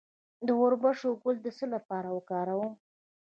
د وربشو ګل د څه لپاره وکاروم؟